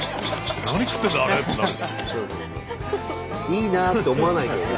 「いいなあ」って思わないけどね。